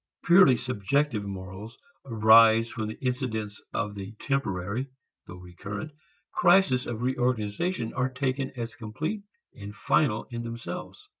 Purely subjective morals arise when the incidents of the temporary (though recurrent) crisis of reorganization are taken as complete and final in themselves.